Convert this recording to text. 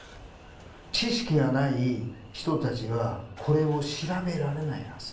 知識がない人たちはこれを調べられないはず。